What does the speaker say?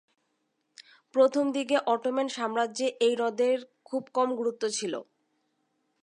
প্রথমদিকে অটোমান সাম্রাজ্যে এই হ্রদের খুব কম গুরুত্ব ছিল।